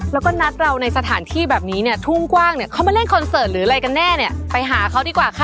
แล้วก็นัดเราในสถานที่แบบนี้เนี่ยทุ่งกว้างเนี่ยเขามาเล่นคอนเสิร์ตหรืออะไรกันแน่เนี่ยไปหาเขาดีกว่าค่ะ